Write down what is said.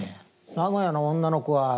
名古屋の女の子は「堺さん